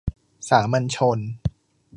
สามัญชน